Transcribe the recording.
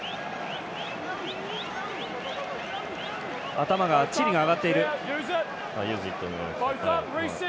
頭、チリが上がっている。